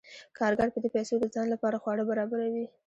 کارګر په دې پیسو د ځان لپاره خواړه برابروي